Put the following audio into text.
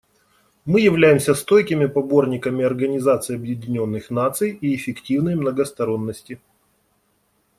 Мы являемся стойкими поборниками Организации Объединенных Наций и эффективной многосторонности.